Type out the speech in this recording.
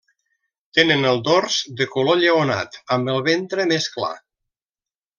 Tenen el dors de color lleonat amb el ventre més clar.